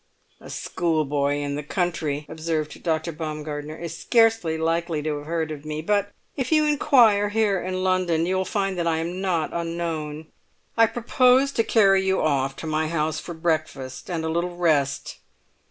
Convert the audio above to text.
"A schoolboy in the country," observed Dr. Baumgartner, "is scarcely likely to have heard of me; but if you inquire here in London you will find that I am not unknown. I propose to carry you off to my house for breakfast, and a little rest.